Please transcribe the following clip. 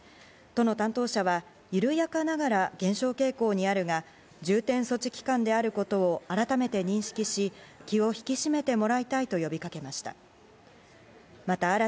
都の担当者は緩やかながら減少傾向にあるが重点措置期間であることを改めて認識し気を引き締めてもらいたいと呼びかけました。